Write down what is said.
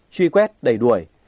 truy quét đẩy đuổi